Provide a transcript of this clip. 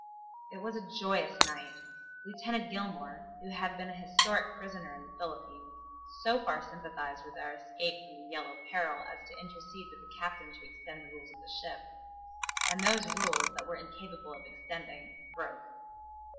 '" It was a joyous night. Lieutenant Gilmore, who had been an historic prisoner in the Philippines, so far sympathized with our escape from the Yellow Peril as to intercede with the captain to extend the rules of the ship. And those rules that were incapable of extending broke.